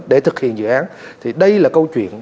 để thực hiện dự án thì đây là câu chuyện